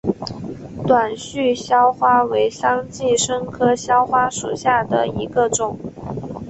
短序鞘花为桑寄生科鞘花属下的一个种。